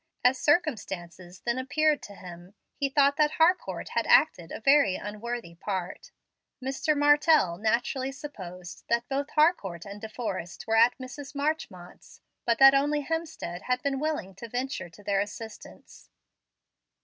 As circumstances then appeared to him, he thought that Harcourt had acted a very unworthy part. Mr. Martell naturally supposed that both Harcourt and De Forrest were at Mrs. Marchmont's, but that only Hemstead had been willing to venture to their assistance.